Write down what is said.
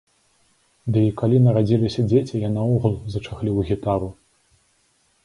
Ды і калі нарадзіліся дзеці, я наогул зачахліў гітару.